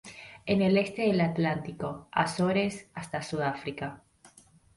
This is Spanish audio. En el este del Atlántico; Azores hasta Sudáfrica.